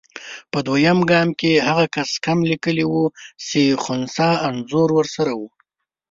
په دویم ګام کې هغه کس کم لیکلي وو چې خنثی انځور ورسره وو.